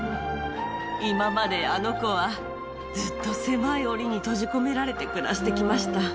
今まであの子はずっと狭いオリに閉じ込められて暮らして来ました。